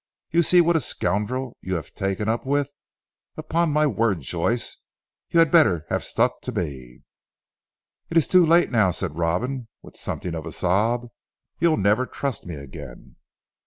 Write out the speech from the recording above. You see what a scoundrel you have taken up with! Upon my word Joyce, you had better have stuck to me." "It is too late now," said Robin with something of a sob, "you'll never trust me again."